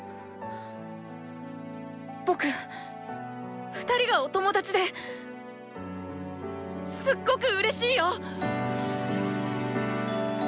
僕２人がおトモダチですっごくうれしいよ！